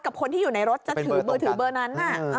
กับคนที่อยู่ในรถจะถือเบอร์นั้น